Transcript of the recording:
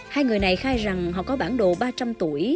hai người này khai rằng họ có bản đồ ba trăm linh tuổi